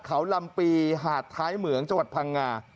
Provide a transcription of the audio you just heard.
เขาลำปีหาดท้ายเหมืองจังหวัดพังงา